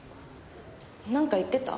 なんか言ってた？